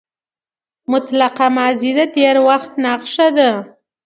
مطلقه ماضي د تېر وخت نخښه ده.